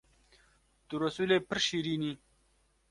Tu Resûlê pir şîrîn î